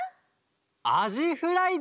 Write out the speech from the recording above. アジフライです！